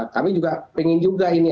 kami juga pengen juga ini